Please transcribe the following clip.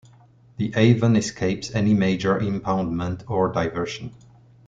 The Avon escapes any major impoundment or diversion.